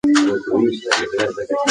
طبیعي توکي په شعر کې نوي ترکیبات جوړوي.